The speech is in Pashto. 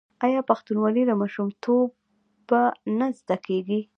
آیا پښتونولي له ماشومتوبه نه زده کیږي؟